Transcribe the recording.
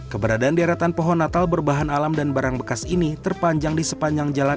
keberadaan deretan pohon natal berbahan alam dan barang bekas ini terpanjang di sepanjang jalan